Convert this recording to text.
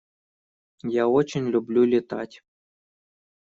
Я очень люблю летать.